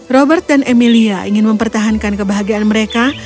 robert dan emilia ingin mempertahankan kebahagiaan mereka